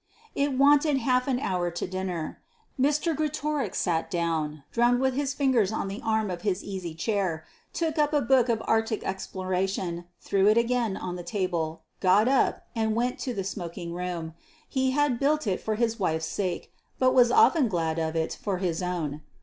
It wanted half an hour to dinner. Mr. Greatorex sat down, drummed with his fingers on the arm of his easy chair, took up a book of arctic exploration, threw it again on the table, got up, and went to the smoking room. He had built it for his wife's sake, but was often glad of it for his own.